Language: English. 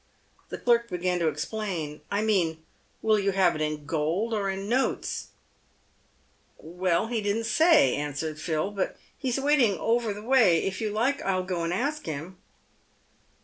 The clerk began to explain, " I mean, will you have it in gold, or in notes ?"" Well, he didn't say," answered Phil, "but he's waiting over the way. If you like, I'll go and ask him."